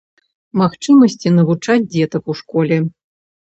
Магчымасці навучаць дзетак у школе.